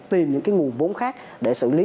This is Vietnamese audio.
tìm những cái nguồn vốn khác để xử lý